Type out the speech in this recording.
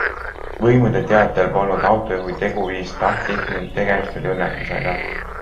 Võimude teatel polnud autojuhi teguviis tahtlik ning tegemist oli õnnetusega.